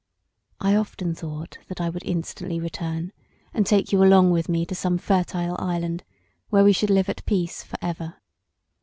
I often thought that I would instantly return and take you along with me to some fertile island where we should live at peace for ever.